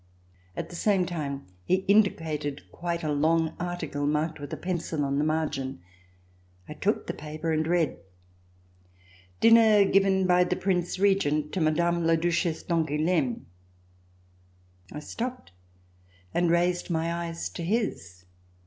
At the same time he indicated quite a long article marked with a pencil on the margin. I took the paper and read: "Dinner given by the Prince Regent to Mme. la Duchesse d'Angouleme." I stopped and raised my eyes to his.